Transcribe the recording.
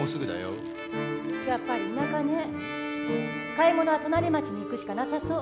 買い物は隣町に行くしかなさそう。